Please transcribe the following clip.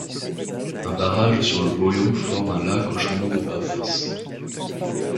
Un barrage sur le Boyon forme un lac au Chambon de Bavas.